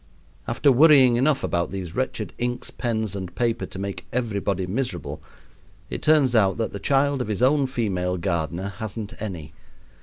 After worrying enough about these wretched inks, pens, and paper to make everybody miserable, it turns out that the child of his own female gardener hasn't any.